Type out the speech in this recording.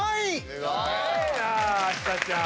すごいな日咲ちゃん。